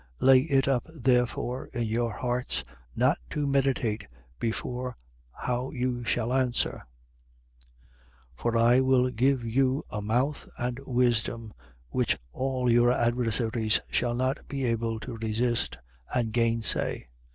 21:14. Lay it up therefore in your hearts, not to meditate before how you shall answer: 21:15. For I will give you a mouth and wisdom, which all your adversaries shall not be able to resist and gainsay.